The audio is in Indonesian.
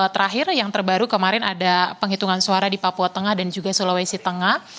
terakhir yang terbaru kemarin ada penghitungan suara di papua tengah dan juga sulawesi tengah